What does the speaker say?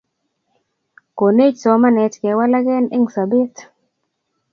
Konech somanet kewalakee eng sobet